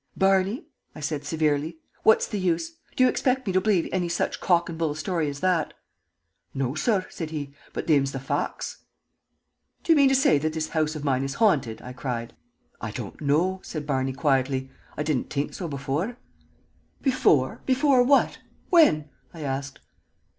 "Barney," I said, severely, "what's the use? Do you expect me to believe any such cock and bull story as that?" "No, sorr," said he. "But thim's the facts." "Do you mean to say that this house of mine is haunted?" I cried. [Illustration: "'SIX IMPTY CHAIRS, SORR'"] "I don't know," said Barney, quietly. "I didn't t'ink so before." "Before? Before what? When?" I asked.